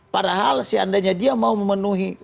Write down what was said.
padahal seandainya dia mau memenuhi